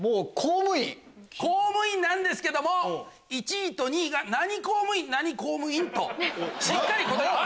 公務員なんですけども１位と２位が何公務員何公務員と。